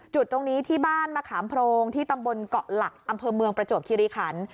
จุดตรงนี้ที่บ้านมะขามโพรงที่ตำบลเกาะหลักอำเภอเมืองประจวบคิริขัน